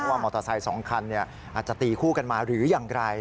ว่ามอเตอร์ไซค์๒คันอาจจะตีคู่กันมาหรืออย่างไร